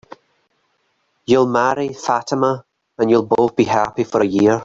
You'll marry Fatima, and you'll both be happy for a year.